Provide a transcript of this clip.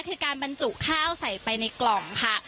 คือการบรรจุข้าวใส่ไปในกล่องค่ะ